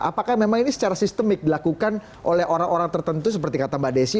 apakah memang ini secara sistemik dilakukan oleh orang orang tertentu seperti kata mbak desi